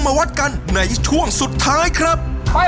บรรลักษณ์จริงนะครับ